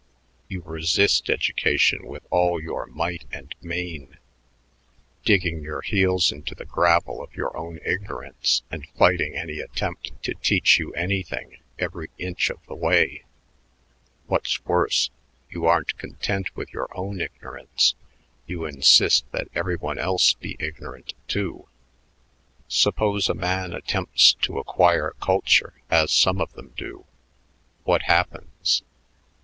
You resist education with all your might and main, digging your heels into the gravel of your own ignorance and fighting any attempt to teach you anything every inch of the way. What's worse, you aren't content with your own ignorance; you insist that every one else be ignorant, too. Suppose a man attempts to acquire culture, as some of them do. What happens?